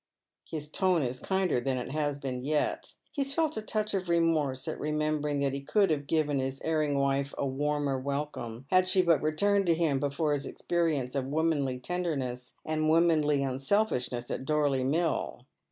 His tone is kinder than it has been yet. He has felt a touch of remorse at remembering that he could have given his erring wife a warmer welcome had she but returned to him before his experience of womanly tenderness and womanly unselfishness at Dorley Mill.